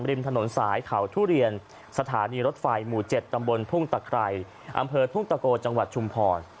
ริมถนนสายเขาทุเรียนสถานีรถไฟหมู่๗ตำบลทุ่งตะไครอำเภอทุ่งตะโกจังหวัดชุมพร